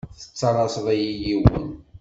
Tettalaseḍ-iyi yiwen.